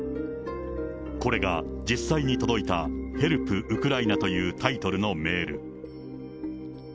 これが実際に届いたヘルプ、ウクライナというタイトルのメール。